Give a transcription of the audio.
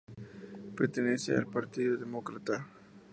Pertenece al Partido Demócrata